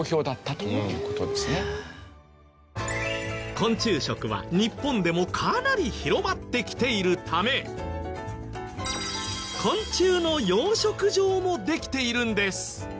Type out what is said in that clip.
昆虫食は日本でもかなり広まってきているため昆虫の養殖場もできているんです。